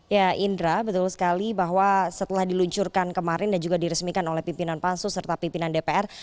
ya indra betul sekali bahwa setelah diluncurkan kemarin dan juga diresmikan oleh pimpinan pansus serta pimpinan dpr